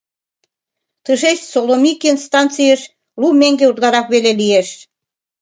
Тышеч Соломикин станцийыш лу меҥге утларак веле лиеш.